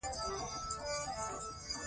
که جدي غور ونشي انساني بقا له خطر سره مخ ده.